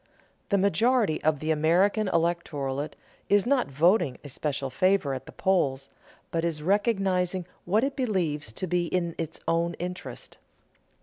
The majority of the American electorate is not voting a special favor at the polls, but is recognizing what it believes to be in its own interest.